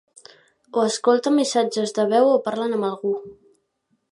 O escolten missatges de veu o parlen amb algú.